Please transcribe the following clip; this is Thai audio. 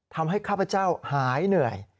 ทำให้ข้าพเจ้าหายเหนื่อย